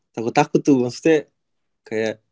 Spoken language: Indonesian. takut takut tuh maksudnya kayak